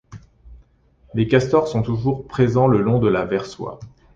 Les castors sont toujours présents le long de la Versoix.